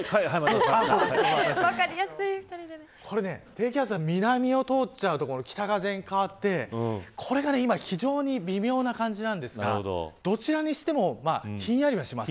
低気圧が南を通ると北風に変わってこれが今、非常に微妙な感じなんですが、どちらにしてもひんやりはします。